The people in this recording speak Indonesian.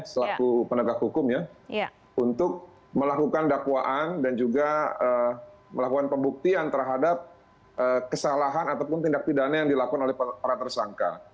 selaku penegak hukum ya untuk melakukan dakwaan dan juga melakukan pembuktian terhadap kesalahan ataupun tindak pidana yang dilakukan oleh para tersangka